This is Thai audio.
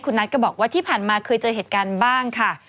นัทก็บอกว่าที่ผ่านมาเคยเจอเหตุการณ์บ้างค่ะ